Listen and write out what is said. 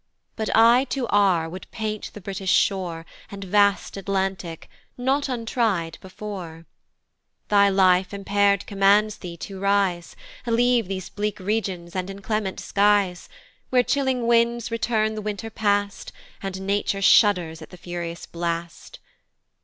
But I to R would paint the British shore, And vast Atlantic, not untry'd before: Thy life impair'd commands thee to arise, Leave these bleak regions and inclement skies, Where chilling winds return the winter past, And nature shudders at the furious blast.